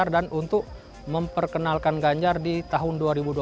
dan untuk memperkenalkan ganjar di tahun dua ribu dua puluh empat